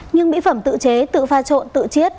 nhưng mỹ phẩm tự chế tự pha trộn tự chiết